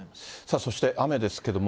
そして、雨ですけれども。